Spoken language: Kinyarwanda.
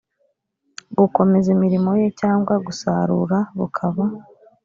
gukomeza imirimo ye cyangwa gusarura bukaba